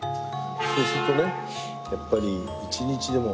そうするとねやっぱり１日でも。